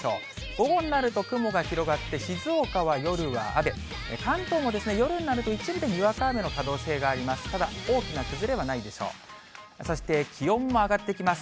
午後になると雲が広がって、静岡は夜は雨、関東もですね、夜になると一部でにわか雨の可能性があります。